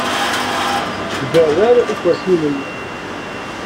Tderrer ikersiyen-nni.